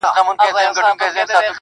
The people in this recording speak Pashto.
ګل ته ور نیژدې سمه اغزي مي تر زړه وخیژي!